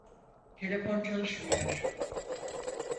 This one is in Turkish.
Telefon çalışmıyor.